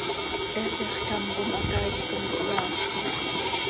He zixcám com hacaaiz com cohyaazquim.